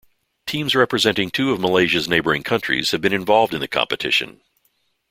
Teams representing two of Malaysia's neighbouring countries have been involved in the competition.